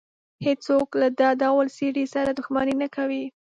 هېڅ څوک له دا ډول سړي سره دښمني نه کوي.